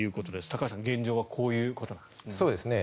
高橋さん現状はこういうことなんですね。